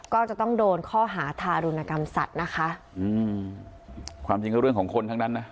ก็จะต้องโดนข้อหาทารุณกรรมสัตว์นะคะอืมความจริงก็เรื่องของคนทั้งนั้นนะ